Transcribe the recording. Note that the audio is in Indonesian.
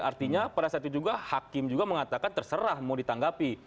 artinya pada saat itu juga hakim juga mengatakan terserah mau ditanggapi